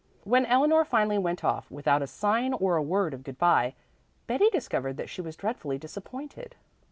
When Eleanor finally went off, without a sign or a word of good bye, Betty discovered that she was dreadfully disappointed.